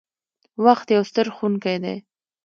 • وخت یو ستر ښوونکی دی.